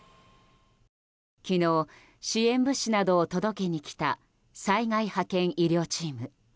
昨日、支援物資などを届けに来た災害派遣医療チーム。